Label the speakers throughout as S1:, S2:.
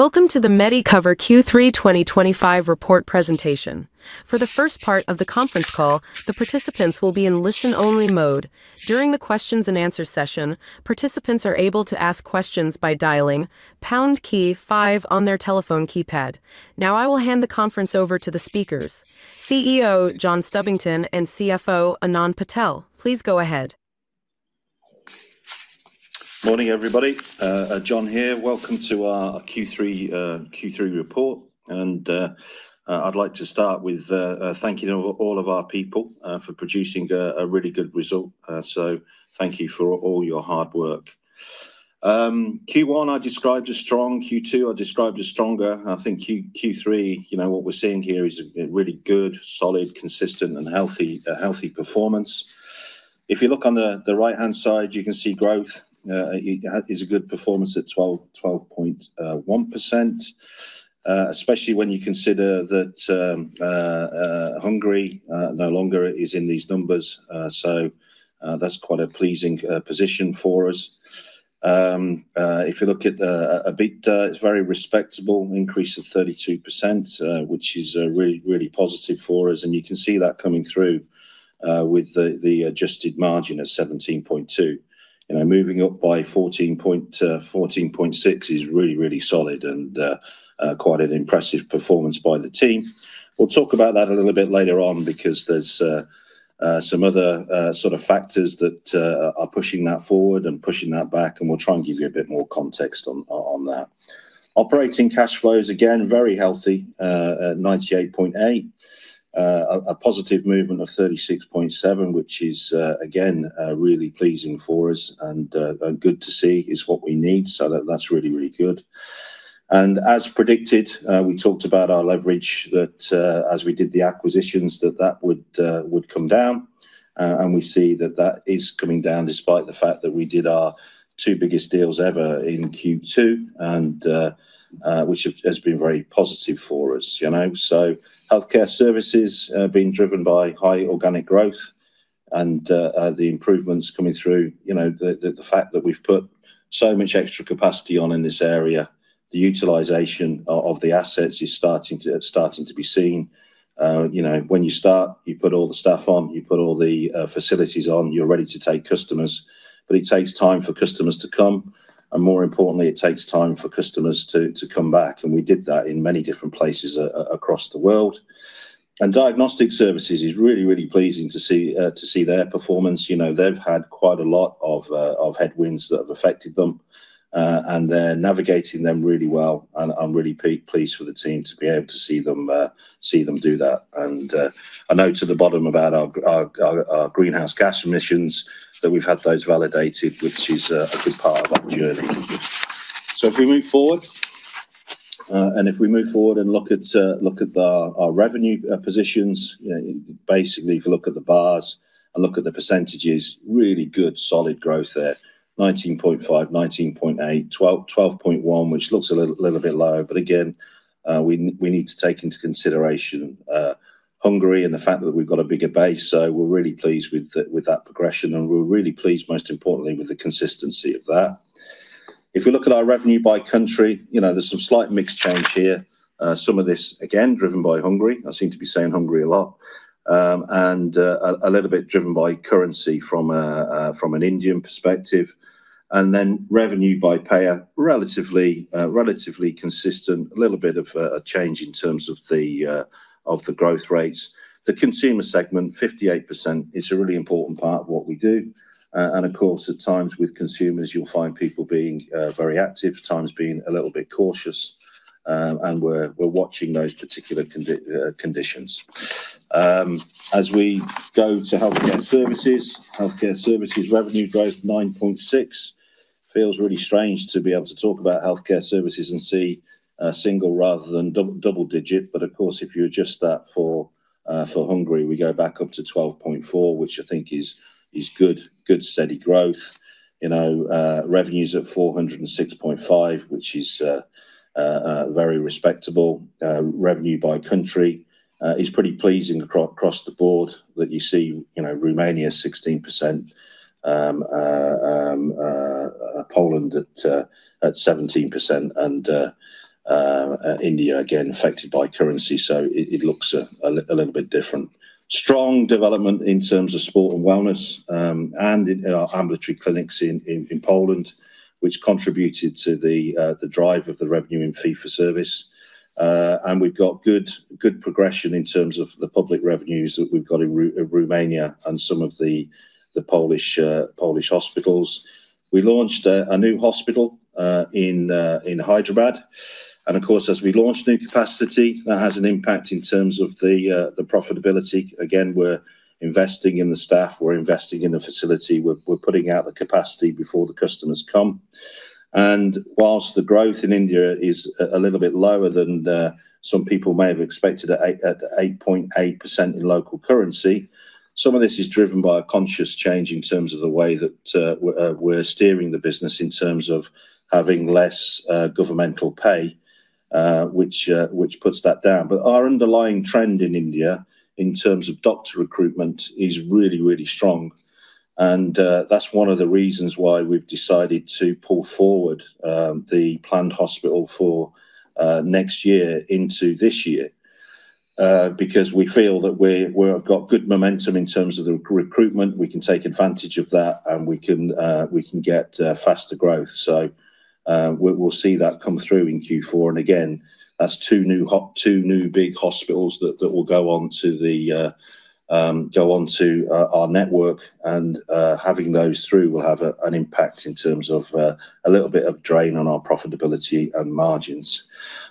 S1: Welcome to the Medicover Q3 2025 report presentation. For the first part of the conference call, the participants will be in listen-only mode. During the questions-and-answers session, participants are able to ask questions by dialing pound key five on their telephone keypad. Now, I will hand the conference over to the speakers: CEO John Stubbington and CFO Anand Patel. Please go ahead.
S2: Morning, everybody. John here. Welcome to our Q3 report. I’d like to start with thanking all of our people for producing a really good result. So thank you for all your hard work. Q1, I described as strong. Q2, I described as stronger. I think Q3, you know, what we’re seeing here is a really good, solid, consistent, and healthy performance. If you look on the right-hand side, you can see growth. It is a good performance at 12.1%. Especially when you consider that Hungary no longer is in these numbers. That’s quite a pleasing position for us. If you look at EBIT, it’s a very respectable increase of 32%, which is really, really positive for us. You can see that coming through with the adjusted margin at 17.2%. You know, moving up by 14.6 is really, really solid and quite an impressive performance by the team. We'll talk about that a little bit later on because there are some other sort of factors that are pushing that forward and pushing that back, we'll try and give you a bit more context on that. Operating cash flows, again, very healthy at $98.8 million. A positive movement of $36.7 million, which is, again, really pleasing for us and good to see is what we need. That's really, really good. As predicted, we talked about our leverage that as we did the acquisitions, that would come down. We see that is coming down despite the fact that we did our two biggest deals ever in Q2, which has been very positive for us. You know, healthcare services are being driven by high organic growth and the improvements coming through, you know, the fact that we've put so much extra capacity on in this area, the utilization of the assets is starting to be seen. You know, when you start, you put all the stuff on, you put all the facilities on, you're ready to take customers. It takes time for customers to come. More importantly, it takes time for customers to come back. We did that in many different places across the world. Diagnostic services is really, really pleasing to see their performance. You know, they've had quite a lot of headwinds that have affected them, and they're navigating them really well. I'm really pleased for the team to be able to see them do that. I know to the bottom about our greenhouse gas emissions that we've had those validated, which is a good part of our journey. If we move forward and look at our revenue positions, basically if you look at the bars and look at the percentages, really good solid growth there, 19.5%, 19.8%, 12.1%, which looks a little bit low. Again, we need to take into consideration Hungary and the fact that we've got a bigger base, we're really pleased with that progression. We're really pleased, most importantly, with the consistency of that. If we look at our revenue by country, you know, there's some slight mixed change here. Some of this, again, driven by Hungary. I seem to be saying Hungary a lot. A little bit driven by currency from an Indian perspective. Then revenue by payer, relatively consistent, a little bit of a change in terms of the growth rates. The consumer segment, 58%, is a really important part of what we do. Of course, at times with consumers, you'll find people being very active, times being a little bit cautious and we're watching those particular conditions. As we go to healthcare services, healthcare services revenue growth, 9.6%. Feels really strange to be able to talk about healthcare services and see a single rather than double digit. Of course, if you adjust that for Hungary, we go back up to 12.4%, which I think is good steady growth. You know, revenues at $406.5 million, which is very respectable. Revenue by country is pretty pleasing across the board that you see, you know, Romania, 16%. Poland at 17%, and India again, affected by currency, so it looks a little bit different. Strong development in terms of sport and wellness and in our ambulatory clinics in Poland, which contributed to the drive of the revenue in fee for service. We have good progression in terms of the public revenues that we have in Romania and some of the Polish hospitals. We launched a new hospital in Hyderabad. Of course, as we launched new capacity, that has an impact in terms of the profitability. We are investing in the staff, we are investing in the facility, we are putting out the capacity before the customers come. Whilst the growth in India is a little bit lower than some people may have expected at 8.8% in local currency, some of this is driven by a conscious change in terms of the way that we are steering the business in terms of having less governmental pay, which puts that down. Our underlying trend in India in terms of doctor recruitment is really, really strong. That is one of the reasons why we have decided to pull forward the planned hospital for next year into this year. We feel that we have good momentum in terms of the recruitment, we can take advantage of that, and we can get faster growth. We will see that come through in Q4. Again, that is two new big hospitals that will go on to our network. Having those through will have an impact in terms of a little bit of drain on our profitability and margins.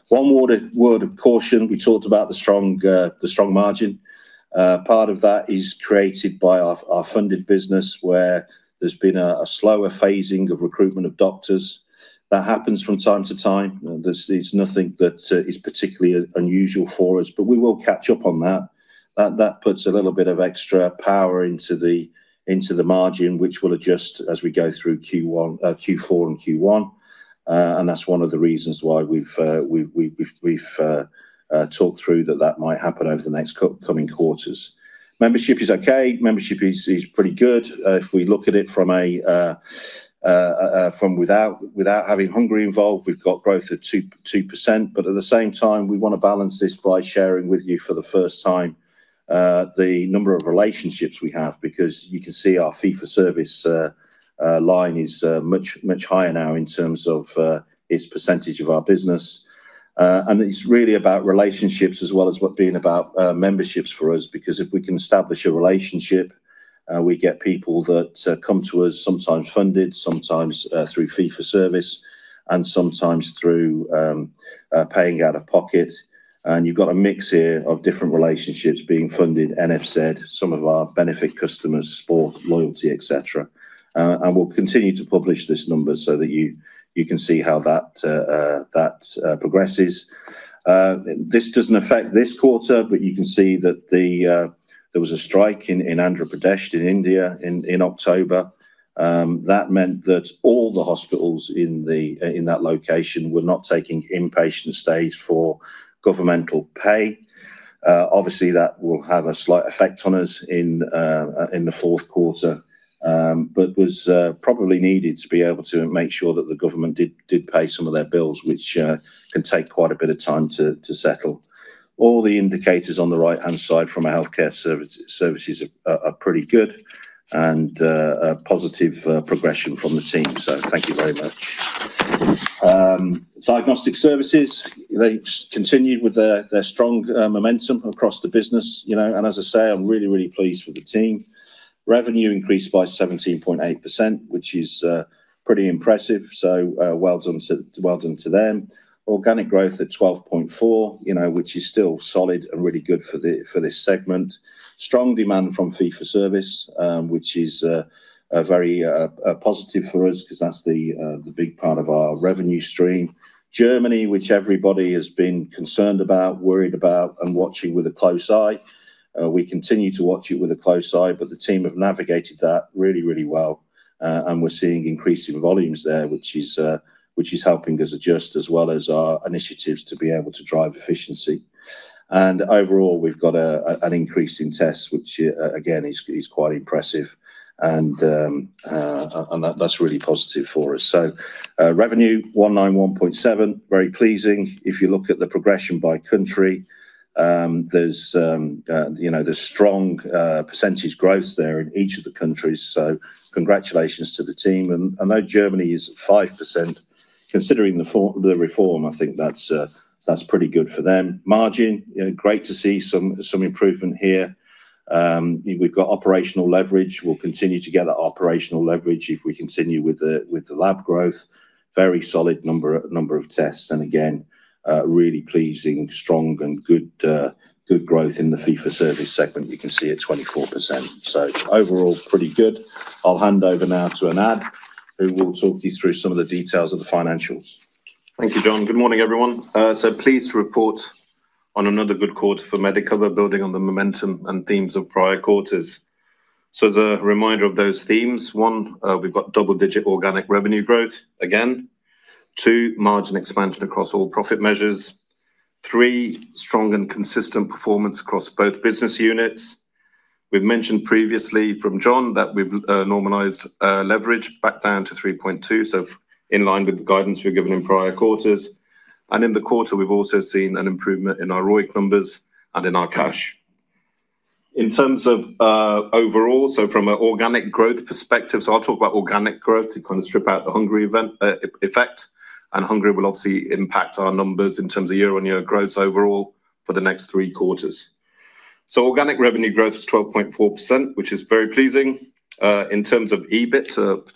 S2: One word of caution, we talked about the strong margin, part of that is created by our funded business where there has been a slower phasing of recruitment of doctors. That happens from time to time. It's nothing that is particularly unusual for us, but we will catch up on that. That puts a little bit of extra power into the margin, which will adjust as we go through Q4 and Q1. That's one of the reasons why we've talked through that that might happen over the next coming quarters. Membership is okay. Membership is pretty good. If we look at it from a, from without having Hungary involved, we've got growth of 2%. At the same time, we want to balance this by sharing with you for the first time the number of relationships we have because you can see our fee for service line is much higher now in terms of its percentage of our business. It's really about relationships as well as being about memberships for us because if we can establish a relationship we get people that come to us sometimes funded, sometimes through fee for service, and sometimes through paying out of pocket. You have a mix here of different relationships being funded, NFZ, some of our benefit customers, sport, loyalty, etc. We will continue to publish this number so that you can see how that progresses. This does not affect this quarter, but you can see that there was a strike in Andhra Pradesh in India in October. That meant that all the hospitals in that location were not taking inpatient stays for governmental pay. Obviously, that will have a slight effect on us in the fourth quarter. It was probably needed to be able to make sure that the government did pay some of their bills, which can take quite a bit of time to settle. All the indicators on the right-hand side from our healthcare services are pretty good and positive progression from the team. So thank you very much. Diagnostic services, they continued with their strong momentum across the business. You know, and as I say, I'm really, really pleased with the team. Revenue increased by 17.8%, which is pretty impressive. So well done to them. Organic growth at 12.4%, you know, which is still solid and really good for this segment. Strong demand from fee for service, which is very positive for us because that's the big part of our revenue stream. Germany, which everybody has been concerned about, worried about, and watching with a close eye. We continue to watch it with a close eye, but the team have navigated that really, really well. We're seeing increasing volumes there, which is helping us adjust as well as our initiatives to be able to drive efficiency. Overall, we've got an increase in tests, which again is quite impressive. That's really positive for us. Revenue, $191.7 million, very pleasing. If you look at the progression by country, there's strong percentage growth there in each of the countries. Congratulations to the team. I know Germany is at 5%. Considering the reform, I think that's pretty good for them. Margin, great to see some improvement here. We've got operational leverage. We'll continue to get that operational leverage if we continue with the lab growth. Very solid number of tests. Again, really pleasing, strong and good growth in the fee for service segment. You can see it's 24%. Overall, pretty good. I'll hand over now to Anand, who will talk you through some of the details of the financials.
S3: Thank you, John. Good morning, everyone. So pleased to report on another good quarter for Medicover, building on the momentum and themes of prior quarters. As a reminder of those themes, one, we have got double-digit organic revenue growth again. Two, margin expansion across all profit measures. Three, strong and consistent performance across both business units. We have mentioned previously from John that we have normalized leverage back down to 3.2, in line with the guidance we have given in prior quarters. In the quarter, we have also seen an improvement in our ROIC numbers and in our cash. In terms of overall, from an organic growth perspective, I will talk about organic growth to kind of strip out the Hungary effect. Hungary will obviously impact our numbers in terms of year-on-year growth overall for the next three quarters. Organic revenue growth was 12.4%, which is very pleasing. In terms of EBIT,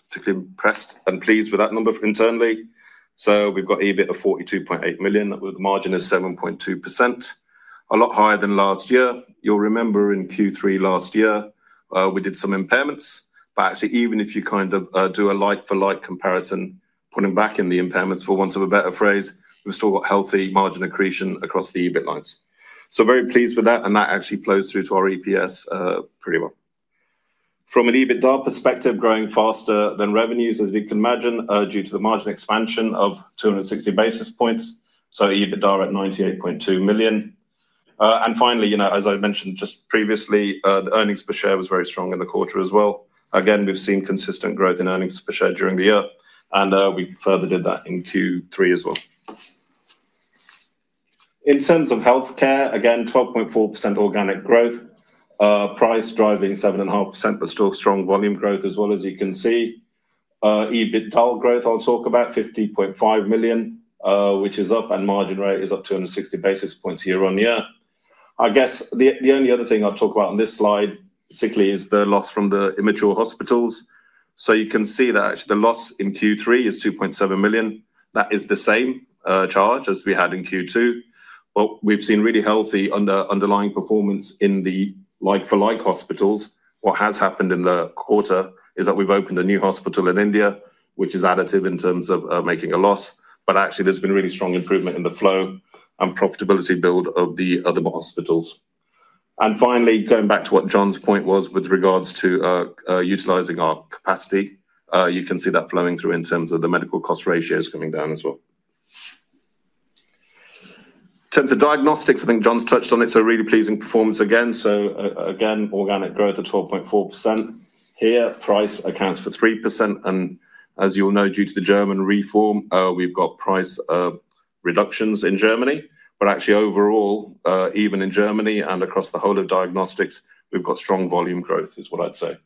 S3: particularly impressed and pleased with that number internally. So we've got EBIT of $42.8 million. The margin is 7.2%. A lot higher than last year. You'll remember in Q3 last year, we did some impairments. But actually, even if you kind of do a like-for-like comparison, putting back in the impairments, for want of a better phrase, we've still got healthy margin accretion across the EBIT lines. So very pleased with that. And that actually flows through to our EPS pretty well. From an EBITDA perspective, growing faster than revenues, as we can imagine, due to the margin expansion of 260 basis points. So EBITDA at $98.2 million. And finally, you know, as I mentioned just previously, the earnings per share was very strong in the quarter as well. Again, we've seen consistent growth in earnings per share during the year. We further did that in Q3 as well. In terms of healthcare, again, 12.4% organic growth. Price driving 7.5%, but still strong volume growth as well, as you can see. EBITDA growth, I'll talk about $50.5 million, which is up, and margin rate is up 260 basis points year-on-year. I guess the only other thing I'll talk about on this slide, particularly, is the loss from the immature hospitals. You can see that actually the loss in Q3 is $2.7 million. That is the same charge as we had in Q2. We have seen really healthy underlying performance in the like-for-like hospitals. What has happened in the quarter is that we have opened a new hospital in India, which is additive in terms of making a loss. Actually, there has been really strong improvement in the flow and profitability build of the other hospitals. Finally, going back to what John's point was with regards to utilizing our capacity, you can see that flowing through in terms of the medical cost ratios coming down as well. In terms of diagnostics, I think John's touched on it. Really pleasing performance again. Again, organic growth at 12.4% here price accounts for 3%. As you'll know, due to the German reform, we've got price reductions in Germany. Actually, overall, even in Germany and across the whole of diagnostics, we've got strong volume growth, is what I'd say.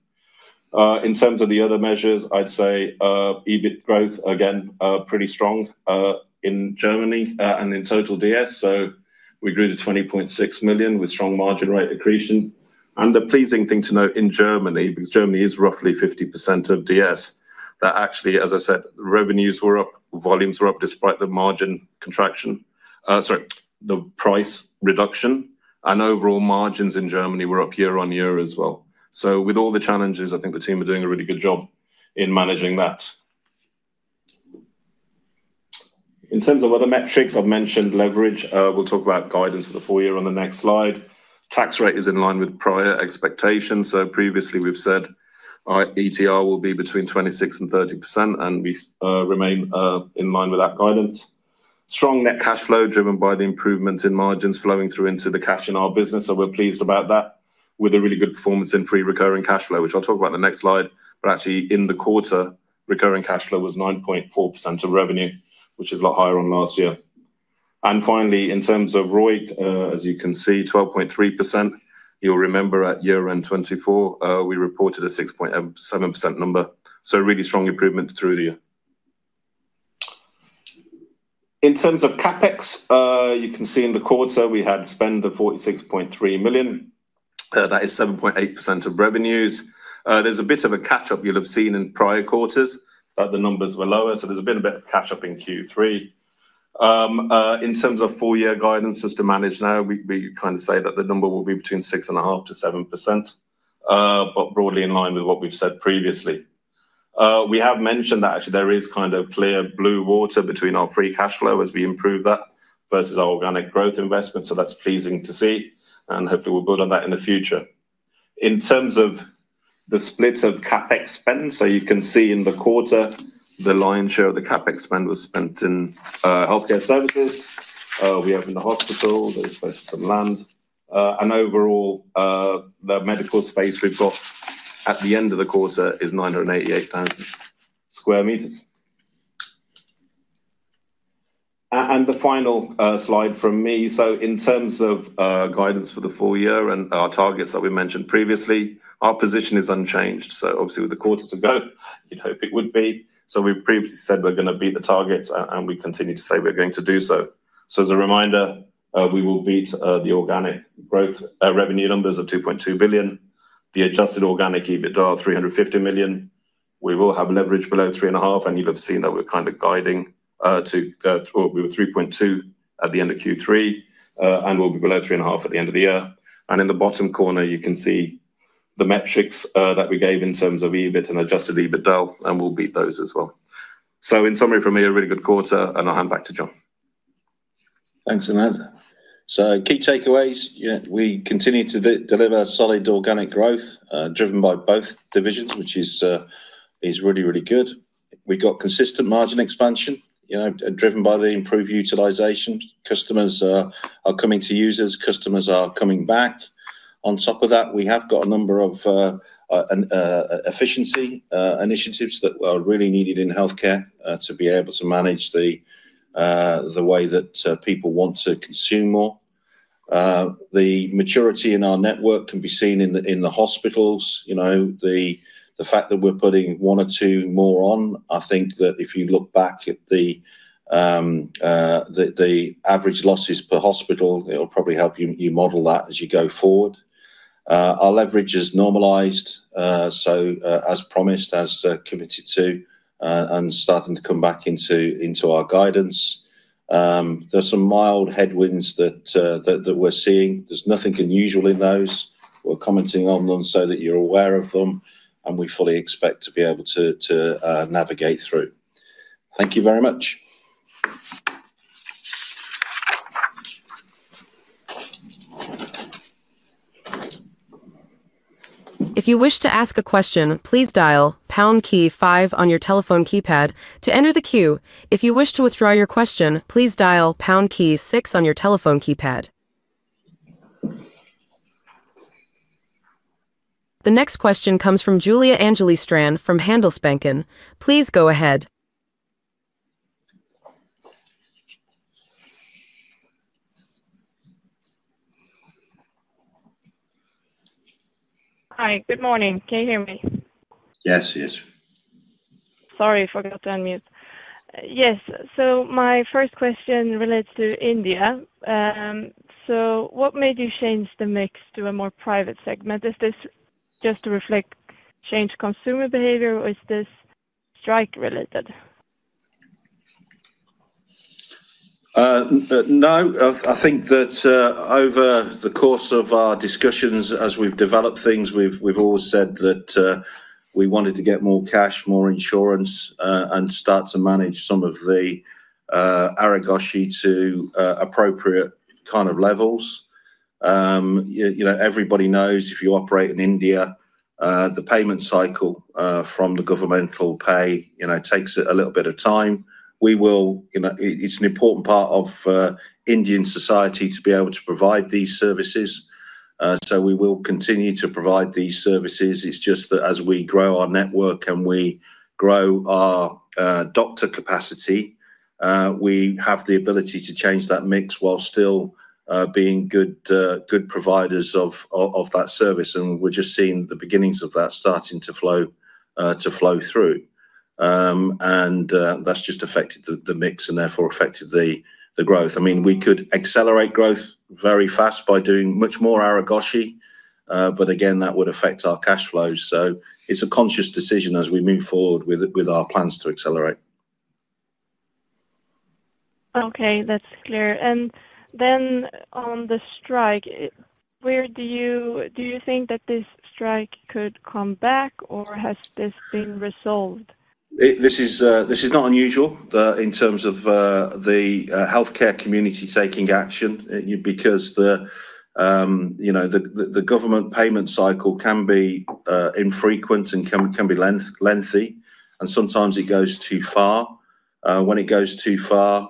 S3: In terms of the other measures, I'd say EBIT growth, again, pretty strong. In Germany and in total DS. We grew to $20.6 million with strong margin rate accretion. The pleasing thing to note in Germany, because Germany is roughly 50% of DS, is that actually, as I said, revenues were up, volumes were up despite the price reduction. Overall margins in Germany were up year-on-year as well. With all the challenges, I think the team are doing a really good job in managing that. In terms of other metrics, I have mentioned leverage. We will talk about guidance for the full year on the next slide. Tax rate is in line with prior expectations. Previously, we have said ETR will be between 26%-30%, and we remain in line with that guidance. Strong net cash flow driven by the improvements in margins flowing through into the cash in our business. We are pleased about that. With a really good performance in free recurring cash flow, which I'll talk about in the next slide. Actually, in the quarter, recurring cash flow was 9.4% of revenue, which is a lot higher on last year. Finally, in terms of ROIC, as you can see, 12.3%. You'll remember at year-end 2024, we reported a 6.7% number. Really strong improvement through the year. In terms of CapEx, you can see in the quarter we had spend of $46.3 million, that is 7.8% of revenues. There's a bit of a catch-up you'll have seen in prior quarters. The numbers were lower. There's been a bit of catch-up in Q3. In terms of full-year guidance, just to manage now, we kind of say that the number will be between 6.5%-7%. Broadly in line with what we've said previously. We have mentioned that actually there is kind of clear blue water between our free cash flow as we improve that versus our organic growth investment. That is pleasing to see and hopefully, we will build on that in the future. In terms of the split of CapEx spend, you can see in the quarter, the lion's share of the CapEx spend was spent in healthcare services. We have in the hospital, there is some land. Overall, the medical space we have at the end of the quarter is 988,000 sq m. The final slide from me. In terms of guidance for the full year and our targets that we mentioned previously, our position is unchanged. Obviously, with the quarter to go, you would hope it would be. We previously said we are going to beat the targets, and we continue to say we are going to do so. As a reminder, we will beat the organic growth revenue numbers of $2.2 billion. The adjusted organic EBITDA are $350 million. We will have leverage below 3.5, and you'll have seen that we're kind of guiding to 3.2 at the end of Q3. We'll be below 3.5 at the end of the year. In the bottom corner, you can see the metrics that we gave in terms of EBIT and adjusted EBITDA, and we'll beat those as well. In summary for me, a really good quarter, and I'll hand back to John.
S2: Thanks, Anand. Key takeaways, we continue to deliver solid organic growth driven by both divisions, which is really, really good. We've got consistent margin expansion driven by the improved utilization. Customers are coming to us. Customers are coming back. On top of that, we have got a number of efficiency initiatives that are really needed in healthcare to be able to manage the way that people want to consume more. The maturity in our network can be seen in the hospitals. The fact that we're putting one or two more on, I think that if you look back at the average losses per hospital, it'll probably help you model that as you go forward. Our leverage is normalized, as promised, as committed to, and starting to come back into our guidance. There are some mild headwinds that we're seeing. There's nothing unusual in those. We're commenting on them so that you're aware of them, and we fully expect to be able to navigate through. Thank you very much.
S1: If you wish to ask a question, please dial pound key five on your telephone keypad to enter the queue. If you wish to withdraw your question, please dial pound key six on your telephone keypad. The next question comes from Julia Anjali Stran from Handelsbanken. Please go ahead.
S4: Hi, good morning. Can you hear me?
S2: Yes, yes.
S4: Sorry, I forgot to unmute. Yes, so my first question relates to India. What made you change the mix to a more private segment? Is this just to reflect changed consumer behavior, or is this strike-related?
S2: No, I think that over the course of our discussions, as we've developed things, we've always said that we wanted to get more cash, more insurance, and start to manage some of the Arogyasri to appropriate kind of levels. Everybody knows if you operate in India, the payment cycle from the governmental pay takes a little bit of time. It's an important part of Indian society to be able to provide these services. We will continue to provide these services. It's just that as we grow our network and we grow our doctor capacity, we have the ability to change that mix while still being good providers of that service. We're just seeing the beginnings of that starting to flow through, and that's just affected the mix and therefore affected the growth. I mean, we could accelerate growth very fast by doing much more Arogyasri but again that would affect our cash flows. So it's a conscious decision as we move forward with our plans to accelerate.
S4: Okay, that's clear. On the strike, do you think that this strike could come back, or has this been resolved?
S2: This is not unusual in terms of the healthcare community taking action because the government payment cycle can be infrequent and can be lengthy. Sometimes it goes too far. When it goes too far,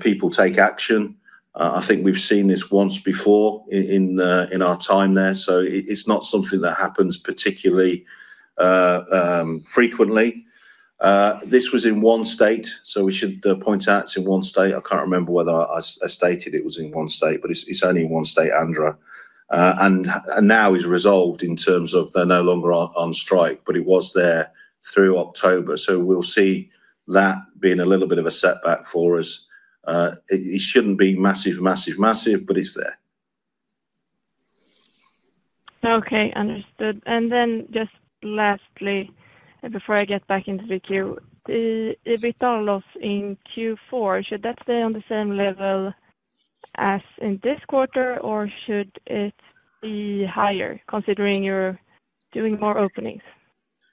S2: people take action. I think we've seen this once before in our time there. It is not something that happens particularly frequently. This was in one state, so we should point out it is in one state. I cannot remember whether I stated it was in one state, but it is only in one state, Andhra. Now it is resolved in terms of they are no longer on strike, but it was there through October. We will see that being a little bit of a setback for us. It should not be massive, but it is there.
S4: Okay, understood. Just lastly, before I get back into the queue. The EBITDA loss in Q4, should that stay on the same level as in this quarter, or should it be higher considering you're doing more openings?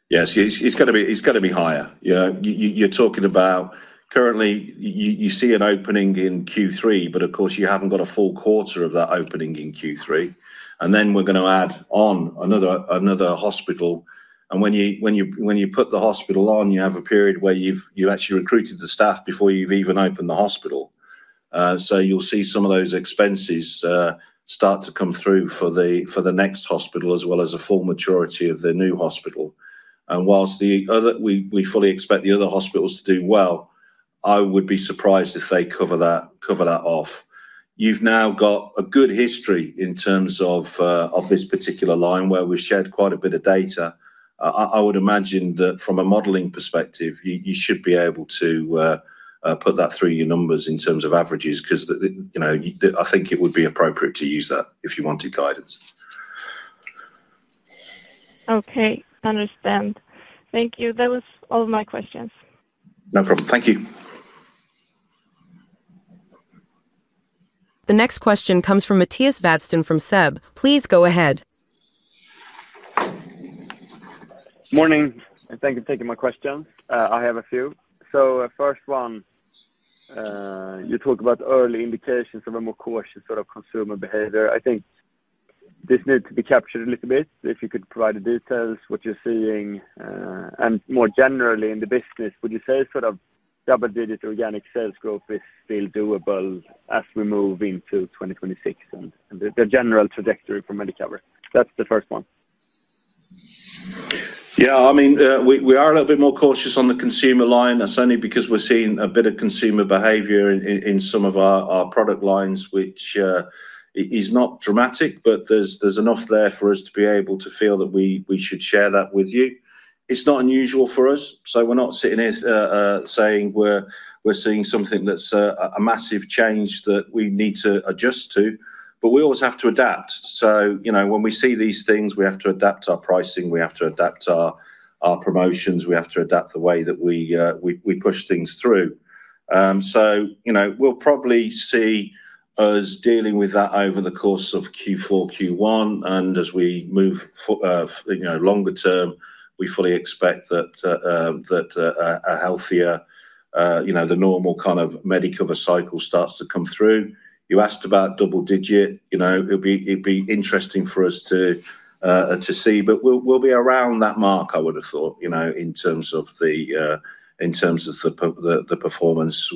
S2: Yes, it's got to be higher. You're talking about currently, you see an opening in Q3, but of course, you haven't got a full quarter of that opening in Q3. You are going to add on another hospital. When you put the hospital on, you have a period where you've actually recruited the staff before you've even opened the hospital. You will see some of those expenses start to come through for the next hospital as well as a full maturity of the new hospital. Whilst we fully expect the other hospitals to do well, I would be surprised if they cover that off. You've now got a good history in terms of this particular line where we've shared quite a bit of data. I would imagine that from a modeling perspective, you should be able to put that through your numbers in terms of averages because. I think it would be appropriate to use that if you wanted guidance.
S4: Okay, understood. Thank you. That was all of my questions.
S2: No problem. Thank you.
S1: The next question comes from Mattias Vadsten from SEB. Please go ahead.
S5: Good morning. Thank you for taking my question. I have a few. First one. You talk about early indications of a more cautious sort of consumer behavior. I think this needs to be captured a little bit. If you could provide the details, what you're seeing. More generally in the business, would you say sort of double-digit organic sales growth is still doable as we move into 2026 and the general trajectory for Medicover? That's the first one.
S2: Yeah, I mean, we are a little bit more cautious on the consumer line. That's only because we're seeing a bit of consumer behavior in some of our product lines, which is not dramatic, but there's enough there for us to be able to feel that we should share that with you. It's not unusual for us. We're not sitting here saying we're seeing something that's a massive change that we need to adjust to. We always have to adapt. When we see these things, we have to adapt our pricing. We have to adapt our promotions. We have to adapt the way that we push things through. You'll probably see us dealing with that over the course of Q4, Q1. As we move longer-term, we fully expect that a healthier, the normal kind of Medicover cycle starts to come through. You asked about double-digit. It'd be interesting for us to see, but we'll be around that mark, I would have thought, in terms of the performance.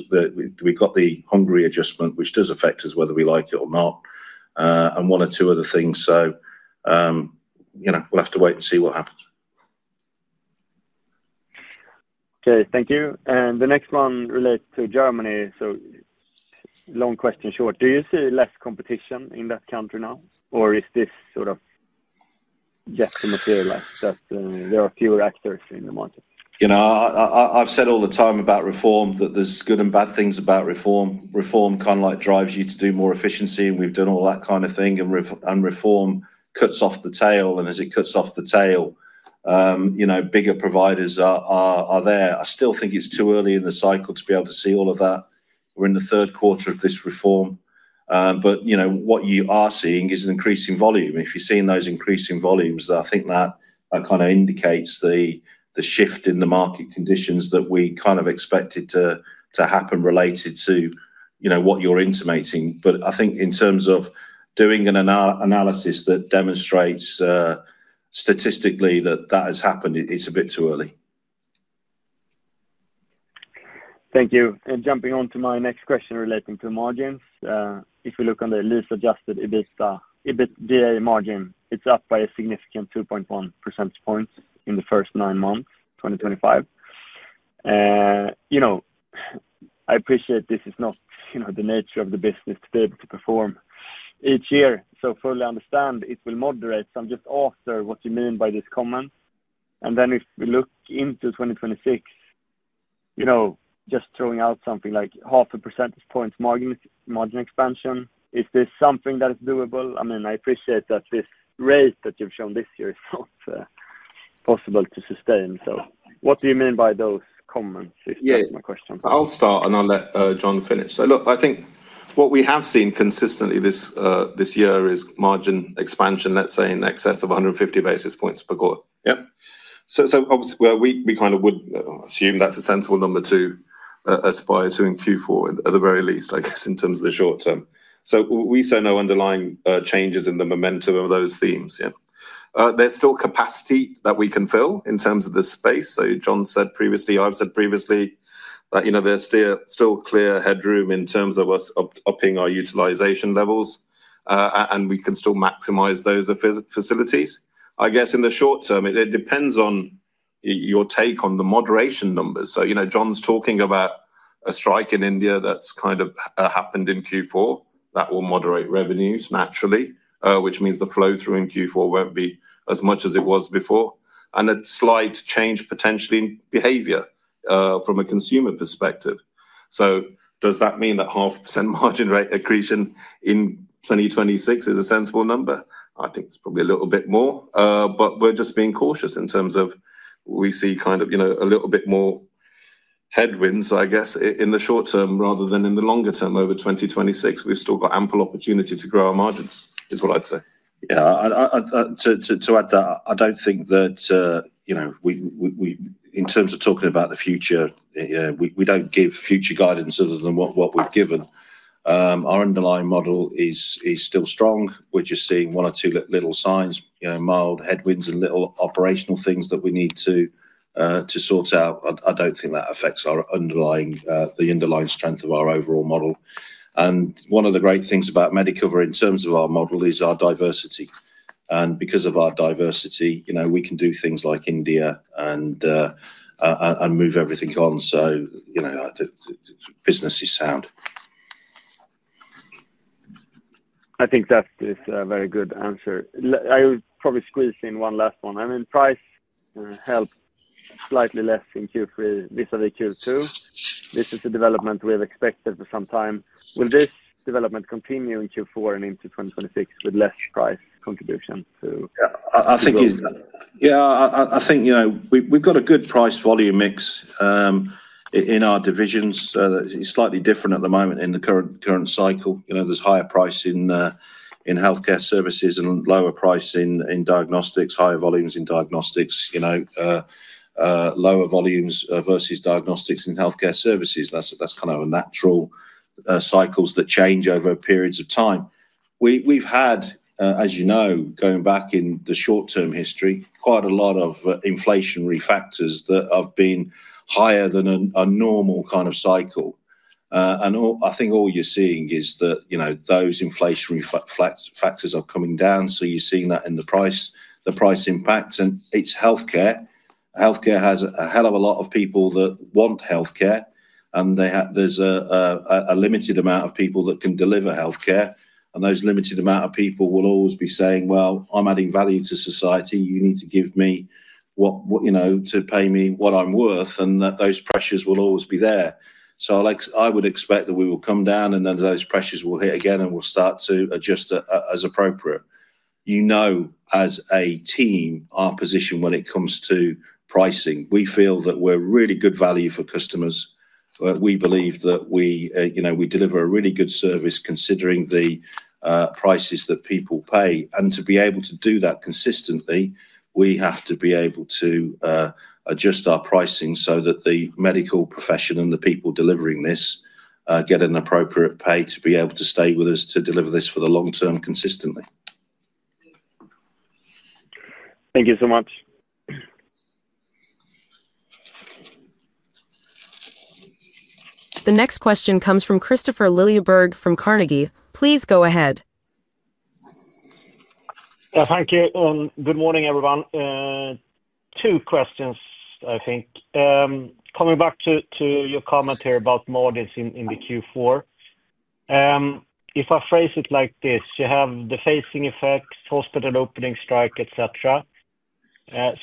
S2: We've got the Hungary adjustment, which does affect us whether we like it or not, and one or two other things. We'll have to wait and see what happens.
S5: Okay, thank you. The next one relates to Germany. Long question short, do you see less competition in that country now or is this sort of yet to materialize that there are fewer actors in the market?
S2: I've said all the time about reform that there's good and bad things about reform. Reform kind of like drives you to do more efficiency, and we've done all that kind of thing. Reform cuts off the tail. As it cuts off the tail, bigger providers are there. I still think it's too early in the cycle to be able to see all of that. We're in the third quarter of this reform. What you are seeing is an increasing volume. If you're seeing those increasing volumes, I think that kind of indicates the shift in the market conditions that we kind of expected to happen related to what you're intimating. I think in terms of doing an analysis that demonstrates statistically that that has happened, it's a bit too early.
S5: Thank you. Jumping on to my next question relating to margins, if we look on the lease-adjusted EBITDA margin, it's up by a significant 2.1 percentage points in the first nine months, 2025. I appreciate this is not the nature of the business to be able to perform each year. I fully understand it will moderate some. Just after what you mean by this comment. If we look into 2026, just throwing out something like 0.5 percentage point margin expansion, is this something that is doable? I mean, I appreciate that this rate that you've shown this year is not possible to sustain. What do you mean by those comments? That's my question.
S3: I'll start and I'll let John finish. Look, I think what we have seen consistently this year is margin expansion, let's say, in excess of 150 basis points per quarter. Yeah. Obviously, we kind of would assume that's a sensible number to aspire to in Q4, at the very least, I guess, in terms of the short-term. We see no underlying changes in the momentum of those themes, yeah. There's still capacity that we can fill in terms of the space. John said previously, I've said previously that there's still clear headroom in terms of us upping our utilization levels. We can still maximize those facilities. I guess in the short-term, it depends on your take on the moderation numbers. John's talking about a strike in India that's kind of happened in Q4 that will moderate revenues naturally, which means the flow through in Q4 won't be as much as it was before. A slight change potentially in behavior from a consumer perspective. Does that mean that half percent margin rate accretion in 2026 is a sensible number? I think it's probably a little bit more. We're just being cautious in terms of we see kind of a little bit more headwinds, I guess, in the short-term rather than in the longer-term over 2026. We've still got ample opportunity to grow our margins, is what I'd say.
S2: Yeah. To add to that, I don't think that in terms of talking about the future, we don't give future guidance other than what we've given. Our underlying model is still strong. We're just seeing one or two little signs, mild headwinds and little operational things that we need to sort out. I don't think that affects the underlying strength of our overall model. One of the great things about Medicover in terms of our model is our diversity. Because of our diversity, we can do things like India and move everything on, so business is sound.
S5: I think that is a very good answer. I would probably squeeze in one last one. I mean, price helps slightly less in Q3 vis-à-vis Q2. This is a development we have expected for some time. Will this development continue in Q4 and into 2026 with less price contribution [too]?
S2: Yeah, I think we've got a good price-volume mix in our divisions, it's slightly different at the moment in the current cycle. There's higher price in healthcare services and lower price in diagnostics, higher volumes in diagnostics, lower volumes versus diagnostics in healthcare services. That's kind of a natural cycle that changes over periods of time. We've had, as you know, going back in the short-term history, quite a lot of inflationary factors that have been higher than a normal kind of cycle. I think all you're seeing is that those inflationary factors are coming down. You're seeing that in the price impacts. It's healthcare. Healthcare has a hell of a lot of people that want healthcare, and there's a limited amount of people that can deliver healthcare. Those limited amount of people will always be saying, "Well, I'm adding value to society. You need to pay me what I'm worth." Those pressures will always be there. I would expect that we will come down and then those pressures will hit again and we'll start to adjust as appropriate. You know, as a team, our position when it comes to pricing, we feel that we're really good value for customers. We believe that we deliver a really good service considering the prices that people pay. To be able to do that consistently, we have to be able to adjust our pricing so that the medical profession and the people delivering this get an appropriate pay to be able to stay with us to deliver this for the long-term consistently.
S5: Thank you so much.
S1: The next question comes from Kristofer Liljeberg from Carnegie. Please go ahead.
S6: Yeah, thank you. Good morning, everyone. Two questions, I think. Coming back to your comment here about models in the Q4. If I phrase it like this, you have the facing effect, post-strike opening, etc.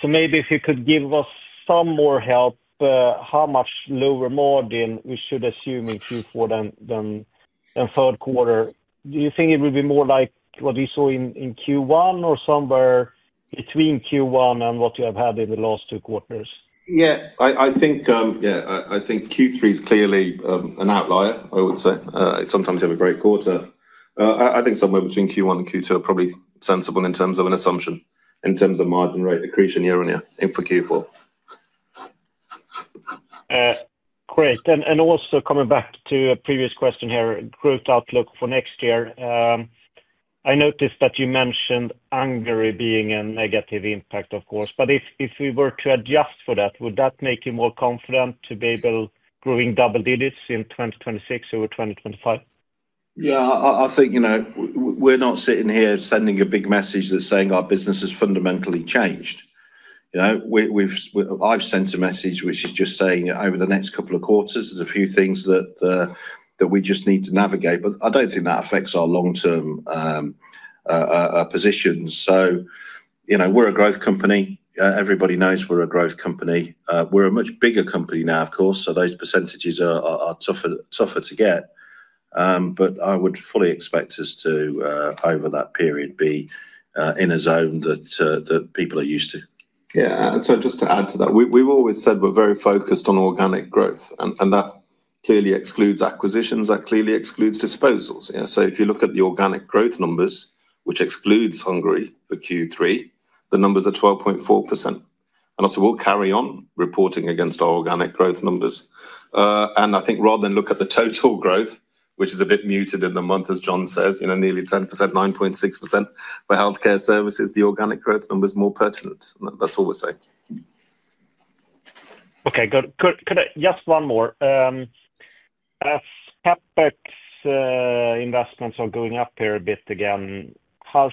S6: So maybe if you could give us some more help, how much lower margin we should assume in Q4 than third quarter? Do you think it would be more like what you saw in Q1 or somewhere between Q1 and what you have had in the last two quarters?
S3: Yeah, I think Q3 is clearly an outlier, I would say. Sometimes you have a great quarter. I think somewhere between Q1 and Q2 are probably sensible in terms of an assumption, in terms of margin rate accretion year-on-year for Q4.
S6: Great. Also, coming back to a previous question here, growth outlook for next year. I noticed that you mentioned Hungary being a negative impact, of course. If we were to adjust for that, would that make you more confident to be able to grow in double digits in 2026 over 2025?
S2: Yeah, I think. We're not sitting here sending a big message that's saying our business has fundamentally changed. I've sent a message which is just saying over the next couple of quarters, there's a few things that we just need to navigate. I don't think that affects our long-term positions. We're a growth company, everybody knows we're a growth company. We're a much bigger company now, of course, those percentages are tougher to get. I would fully expect us to, over that period, be in a zone that people are used to.
S3: Yeah. Just to add to that, we've always said we're very focused on organic growth. That clearly excludes acquisitions. That clearly excludes disposals. If you look at the organic growth numbers, which excludes Hungary for Q3, the numbers are 12.4%. We will carry on reporting against our organic growth numbers. I think rather than look at the total growth, which is a bit muted in the month, as John says, nearly 10%, 9.6% for healthcare services, the organic growth number is more pertinent. That is all we are saying.
S6: Okay. Just one more. CapEx investments are going up here a bit again. How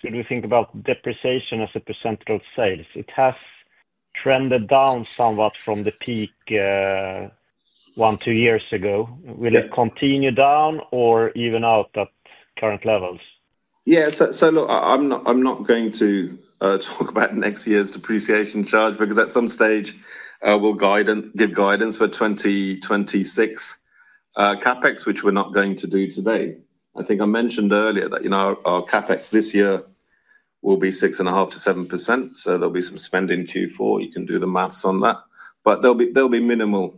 S6: should we think about depreciation as a percentage of sales? It has trended down somewhat from the peak one to two years ago. Will it continue down or even out at current levels?
S3: Yeah. Look, I'm not going to talk about next year's depreciation charge because at some stage we'll give guidance for 2026 CapEx, which we're not going to do today. I think I mentioned earlier that our CapEx this year will be 6.5%-7%. There'll be some spend in Q4. You can do the maths on that. There'll be minimal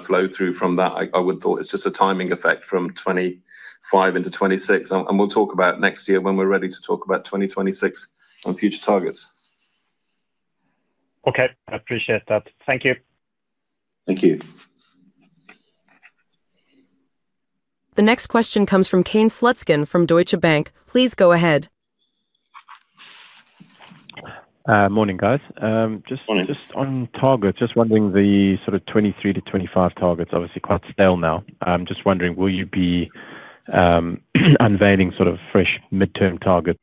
S3: flow through from that. I would have thought it's just a timing effect from 2025 into 2026. We'll talk about next year when we're ready to talk about 2026 and future targets.
S6: Okay. I appreciate that. Thank you.
S2: Thank you.
S1: The next question comes from Kane Slutzkin from Deutsche Bank. Please go ahead.
S7: Morning, guys. Just on target, just wondering the sort of 2023 to 2025 targets. Obviously, quite stale now. I'm just wondering, will you be unveiling sort of fresh midterm targets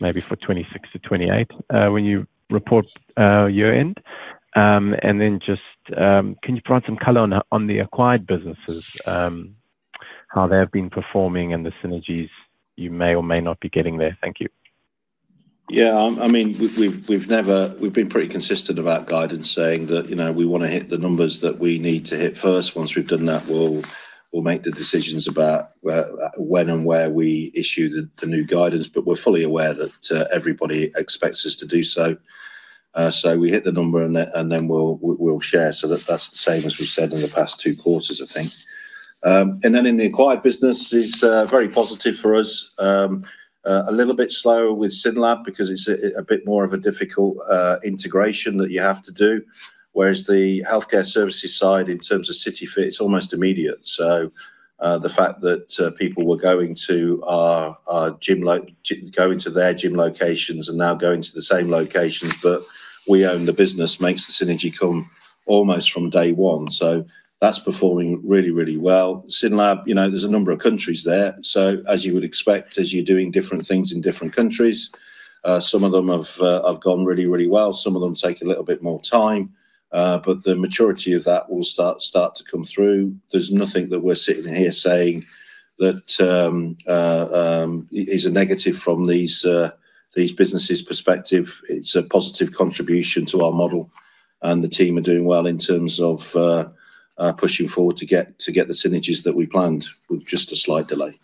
S7: maybe for 2026 to 2028 when you report year-end? Can you provide some color on the acquired businesses, how they have been performing and the synergies you may or may not be getting there? Thank you.
S3: Yeah. I mean, we've been pretty consistent about guidance saying that we want to hit the numbers that we need to hit first. Once we've done that, we'll make the decisions about when and where we issue the new guidance. We're fully aware that everybody expects us to do so. We hit the number and then we'll share. That's the same as we've said in the past two quarters, I think. In the acquired business, it's very positive for us. A little bit slower with Synlab because it's a bit more of a difficult integration that you have to do whereas the healthcare services side, in terms of CityFit, it's almost immediate. The fact that people were going to their gym locations and now going to the same locations that we own the business makes the synergy come almost from day one. That's performing really, really well. Synlab, there's a number of countries there. As you would expect, as you're doing different things in different countries, some of them have gone really, really well. Some of them take a little bit more time. The maturity of that will start to come through. There's nothing that we're sitting here saying that is a negative from these businesses' perspective. It's a positive contribution to our model. The team are doing well in terms of pushing forward to get the synergies that we planned with just a slight delay.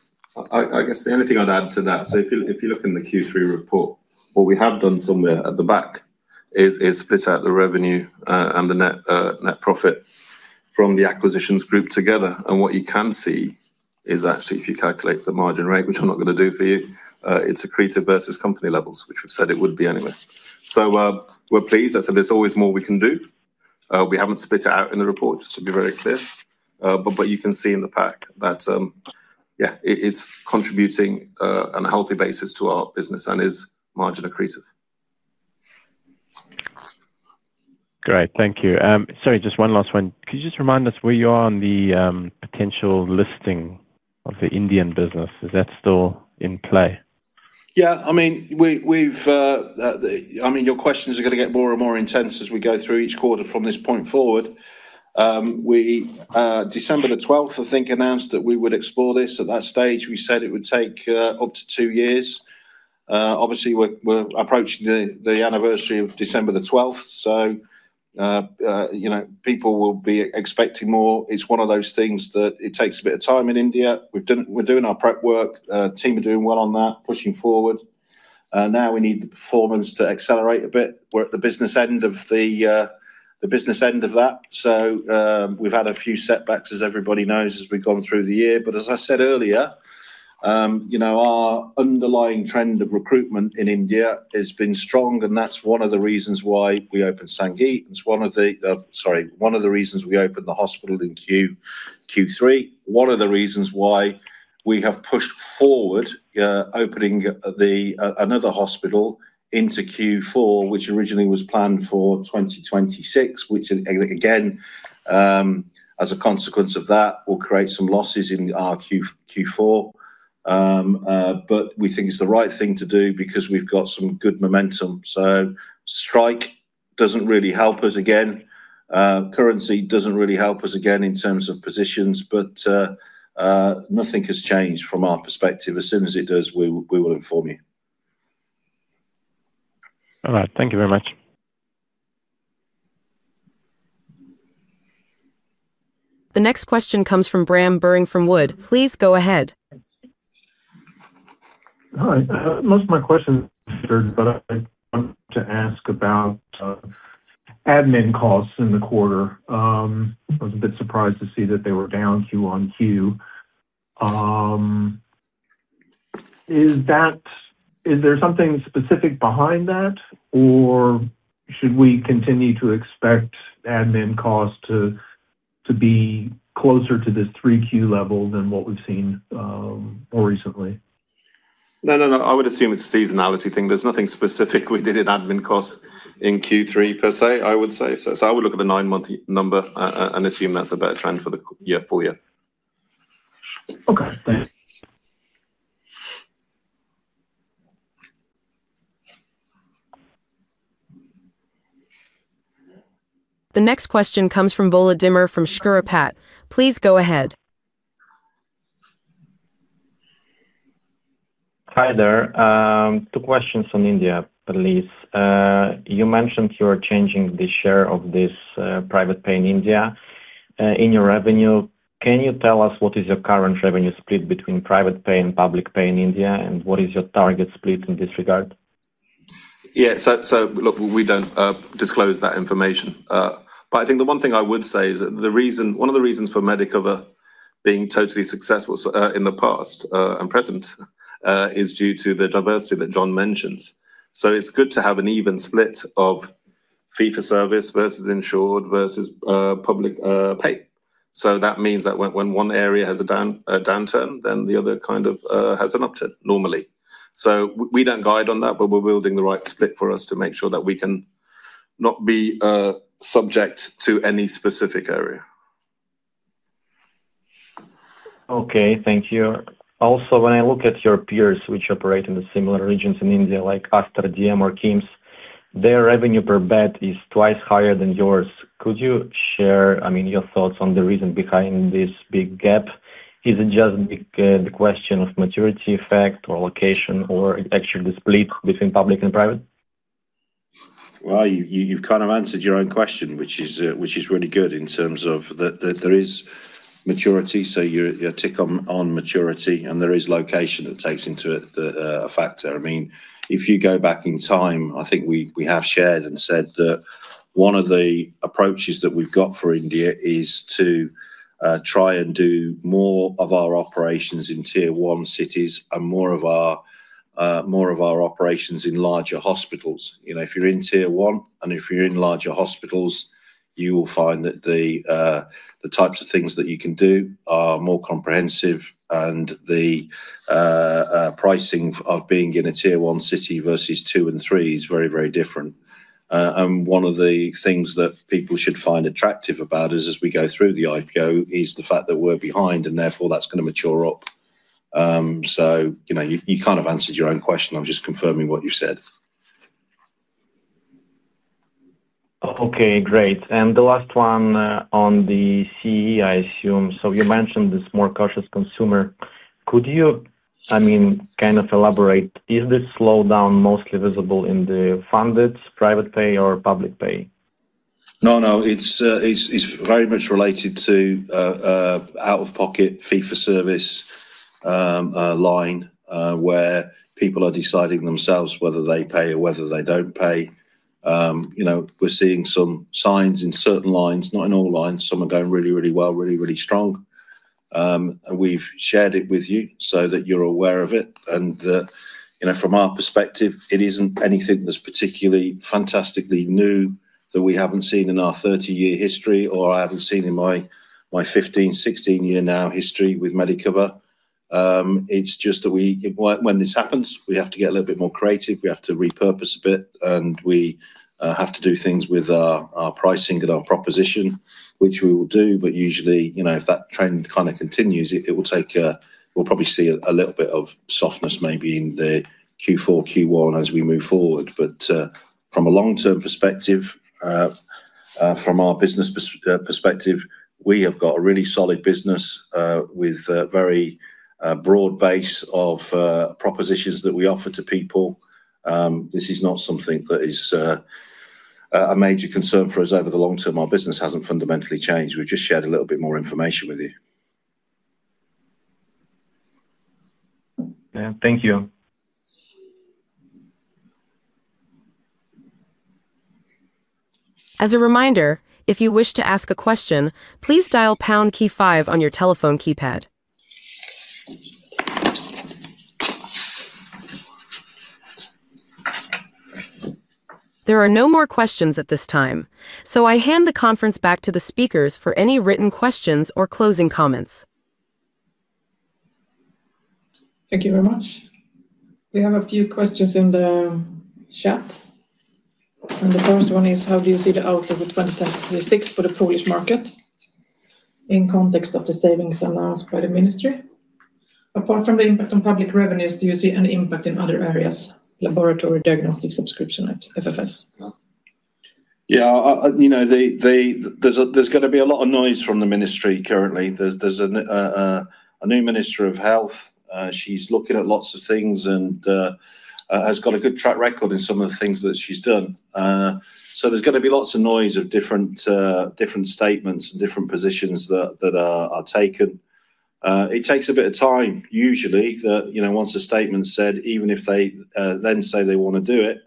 S2: I guess the only thing I'd add to that, if you look in the Q3 report, what we have done somewhere at the back is split out the revenue and the net profit from the acquisitions grouped together. What you can see is actually, if you calculate the margin rate, which I'm not going to do for you, it's accretive versus company levels, which we've said it would be anyway. We're pleased. I said there's always more we can do. We haven't split it out in the report, just to be very clear. You can see in the pack that, yeah, it's contributing on a healthy basis to our business and is margin accretive.
S7: Great. Thank you. Sorry, just one last one. Could you just remind us where you are on the potential listing of the Indian business? Is that still in play?
S2: Yeah. I mean. Your questions are going to get more and more intense as we go through each quarter from this point forward. December the 12th, I think, announced that we would explore this. At that stage, we said it would take up to two years. Obviously, we're approaching the anniversary of December the 12th. People will be expecting more. It's one of those things that it takes a bit of time in India. We're doing our prep work. The team are doing well on that, pushing forward. Now we need the performance to accelerate a bit. We're at the business end of the business end of that. We've had a few setbacks, as everybody knows, as we've gone through the year. As I said earlier, our underlying trend of recruitment in India has been strong and that's one of the reasons why we opened Sangeet. It's one of the reasons we opened the hospital in Q3. One of the reasons why we have pushed forward opening another hospital into Q4, which originally was planned for 2026, which, again, as a consequence of that, will create some losses in our Q4. We think it's the right thing to do because we've got some good momentum. Strike doesn't really help us again. Currency doesn't really help us again in terms of positions. Nothing has changed from our perspective. As soon as it does, we will inform you.
S7: All right. Thank you very much.
S1: The next question comes from Bram Buring from Wood. Please go ahead.
S8: Hi. Most of my questions are answered, but I want to ask about admin costs in the quarter. I was a bit surprised to see that they were down Q on Q. Is there something specific behind that, or should we continue to expect admin costs to be closer to the 3Q level than what we've seen more recently?
S2: No, no, no. I would assume it's a seasonality thing. There's nothing specific we did in admin costs in Q3, per se, I would say. I would look at the nine-month number and assume that's a better trend for the full year.
S4: Okay. Thanks.
S1: The next question comes from [Vola Dimmer from Schroders]. Please go ahead. Hi there. Two questions on India, please. You mentioned you are changing the share of this private pay in India. In your revenue, can you tell us what is your current revenue split between private pay and public pay in India, and what is your target split in this regard?
S3: Yeah. Look, we don't disclose that information. I think the one thing I would say is that one of the reasons for Medicover being totally successful in the past and present is due to the diversity that John mentions. It's good to have an even split of fee-for-service versus insured versus public pay. That means that when one area has a downturn, then the other kind of has an upturn, normally. We don't guide on that, but we're building the right split for us to make sure that we can not be subject to any specific area. Okay. Thank you. Also, when I look at your peers which operate in the similar regions in India, like Aster DM or KIMS, their revenue per bed is twice higher than yours. Could you share, I mean, your thoughts on the reason behind this big gap? Is it just the question of maturity effect or location or actually the split between public and private?
S2: You have kind of answered your own question, which is really good in terms of that there is maturity. You tick on maturity, and there is location that takes into it a factor. I mean, if you go back in time, I think we have shared and said that one of the approaches that we have got for India is to try and do more of our operations in Tier 1 cities and more of our operations in larger hospitals. If you are in tier one and if you are in larger hospitals, you will find that the types of things that you can do are more comprehensive, and the pricing of being in a Tier 1 city versus 2 and 3 is very, very different. One of the things that people should find attractive about us as we go through the IPO is the fact that we're behind, and therefore that's going to mature up. You kind of answered your own question. I'm just confirming what you've said. Okay. Great. The last one on the CE, I assume. You mentioned this more cautious consumer. Could you, I mean, kind of elaborate? Is this slowdown mostly visible in the funded private pay or public pay? No, no. It's very much related to out-of-pocket fee-for-service line where people are deciding themselves whether they pay or whether they don't pay. We're seeing some signs in certain lines, not in all lines. Some are going really, really well, really, really strong. We've shared it with you so that you're aware of it. From our perspective, it isn't anything that's particularly fantastically new that we haven't seen in our 30-year history or I haven't seen in my 15, 16-year now history with Medicover. It's just that when this happens, we have to get a little bit more creative. We have to repurpose a bit, and we have to do things with our pricing and our proposition, which we will do. Usually, if that trend kind of continues, we'll probably see a little bit of softness maybe in the Q4, Q1 as we move forward. From a long-term perspective, from our business perspective, we have got a really solid business with a very broad base of propositions that we offer to people. This is not something that is a major concern for us over the long term. Our business hasn't fundamentally changed. We've just shared a little bit more information with you. Thank you.
S1: As a reminder, if you wish to ask a question, please dial poundkey five on your telephone keypad. There are no more questions at this time. So I hand the conference back to the speakers for any written questions or closing comments.
S9: Thank you very much. We have a few questions in the chat. The first one is, how do you see the outlook for 2026 for the Polish market? In context of the savings announced by the ministry? Apart from the impact on public revenues, do you see an impact in other areas, laboratory diagnostic subscription at FFS?
S3: Yeah. There's going to be a lot of noise from the ministry currently. There's a new Minister of Health. She's looking at lots of things and has got a good track record in some of the things that she's done. There's going to be lots of noise of different statements and different positions that are taken. It takes a bit of time, usually, that once a statement's said, even if they then say they want to do it,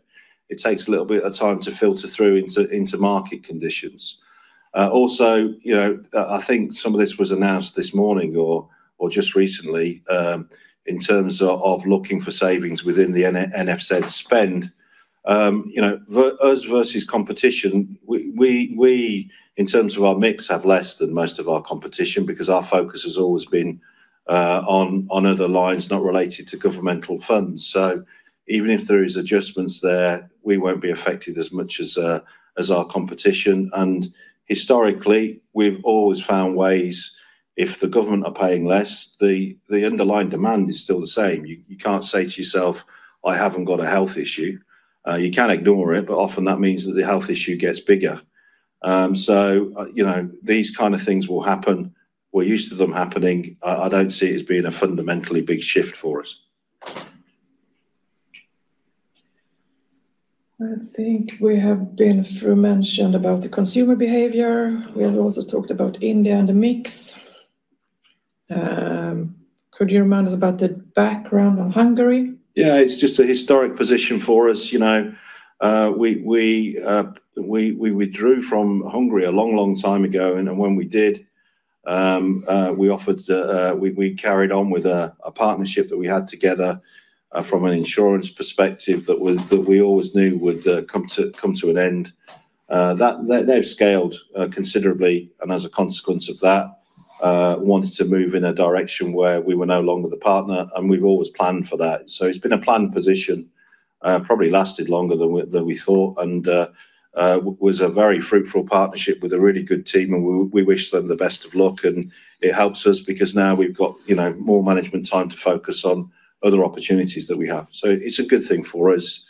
S3: it takes a little bit of time to filter through into market conditions. Also, I think some of this was announced this morning or just recently. In terms of looking for savings within the NFZ spend. Us versus competition. We, in terms of our mix, have less than most of our competition because our focus has always been on other lines not related to governmental funds. Even if there are adjustments there, we won't be affected as much as our competition. Historically, we've always found ways if the government are paying less, the underlying demand is still the same. You can't say to yourself, "I haven't got a health issue." You can ignore it, but often that means that the health issue gets bigger. These kind of things will happen. We're used to them happening. I don't see it as being a fundamentally big shift for us.
S9: I think we have been through, mentioned about the consumer behavior. We have also talked about India and the mix. Could you remind us about the background on Hungary?
S2: Yeah. It's just a historic position for us. We withdrew from Hungary a long, long time ago. When we did, we carried on with a partnership that we had together from an insurance perspective that we always knew would come to an end. They've scaled considerably. As a consequence of that, they wanted to move in a direction where we were no longer the partner. We've always planned for that. It has been a planned position. Probably lasted longer than we thought, and it was a very fruitful partnership with a really good team. We wish them the best of luck. It helps us because now we've got more management time to focus on other opportunities that we have. It's a good thing for us.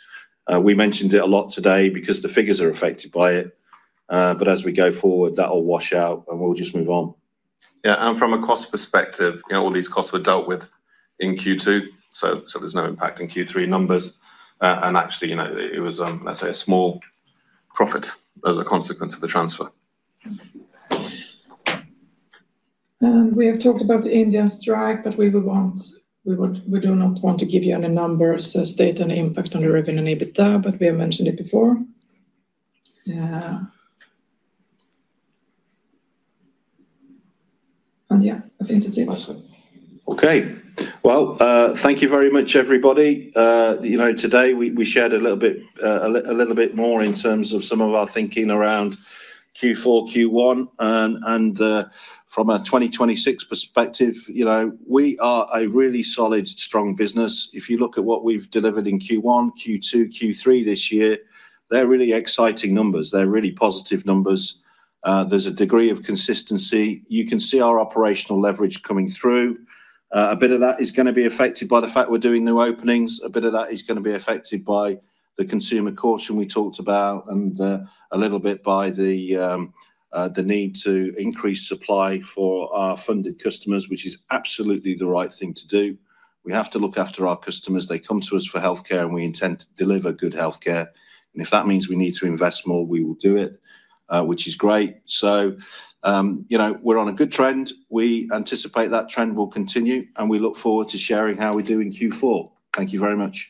S2: We mentioned it a lot today because the figures are affected by it. As we go forward, that will wash out, and we'll just move on. Yeah. From a cost perspective, all these costs were dealt with in Q2. There is no impact in Q3 numbers. Actually, it was, let's say, a small profit as a consequence of the transfer.
S9: We have talked about the Indian strike, but we do not want to give you any numbers that state any impact on the revenue in EBITDA, but we have mentioned it before. Yeah, I think that's it.
S2: Thank you very much, everybody. Today, we shared a little bit more in terms of some of our thinking around Q4, Q1. From a 2026 perspective, we are a really solid, strong business. If you look at what we've delivered in Q1, Q2, Q3 this year, they're really exciting numbers. They're really positive numbers. There's a degree of consistency. You can see our operational leverage coming through. A bit of that is going to be affected by the fact we're doing new openings. A bit of that is going to be affected by the consumer caution we talked about and a little bit by the need to increase supply for our funded customers, which is absolutely the right thing to do. We have to look after our customers. They come to us for healthcare, and we intend to deliver good healthcare. If that means we need to invest more, we will do it, which is great. We are on a good trend. We anticipate that trend will continue, and we look forward to sharing how we do in Q4. Thank you very much.